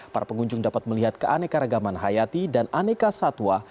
para pengunjung dapat melihat keanekaragaman hayati dan aneka satwa